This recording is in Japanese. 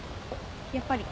やっぱり。